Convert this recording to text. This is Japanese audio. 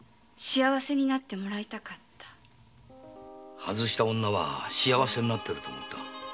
外した女は幸せになっていると思っていた。